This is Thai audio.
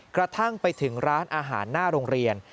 กระทั่งไปถึงร้านอาหารหน้าโรงเรียน